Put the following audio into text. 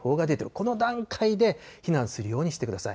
この段階で避難するようにしてください。